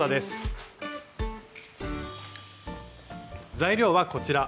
材料はこちら。